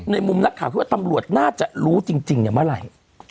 มุมนักข่าวคิดว่าตำรวจน่าจะรู้จริงเนี่ยเมื่อไหร่